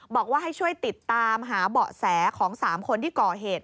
บอกว่าให้ช่วยติดตามหาเบาะแสของ๓คนที่ก่อเหตุ